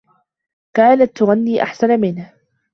كانت تغني أحسن منه.